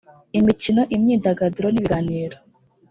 imikino imyidagaduro n ibiganiro